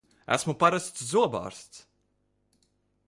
Esmu parasts zobārsts!